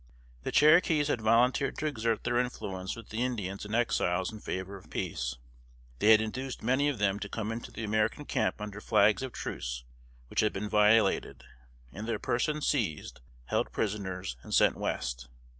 The Cherokees had volunteered to exert their influence with the Indians and Exiles in favor of peace. They had induced many of them to come into the American camp under flags of truce which had been violated, and their persons seized, held prisoners, and sent West.